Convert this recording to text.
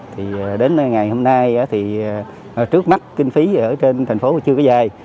thì đến ngày hôm nay thì trước mắt kinh phí ở trên thành phố chưa có dài